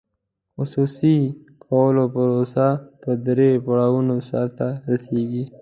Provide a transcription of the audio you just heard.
د خصوصي کولو پروسه په درې پړاوونو سر ته رسیږي.